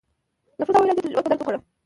نفوذ او اداري تجربه په درد وخوړه.